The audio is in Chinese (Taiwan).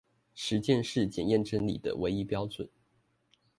實踐是檢驗真理的唯一標準